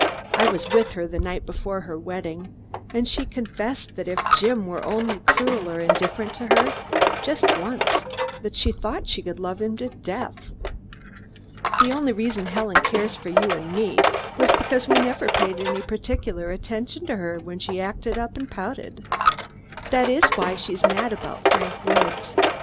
I was with her the night before her wedding, and she confessed then that if Jim were only cruel or indifferent to her, just once, she thought she could love him to death. The only reason Helen cares for you and me, was because we never paid any particular attention to her when she acted up and pouted. That is why she is mad about Frank Woods.